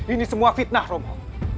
ini semua fitnah romo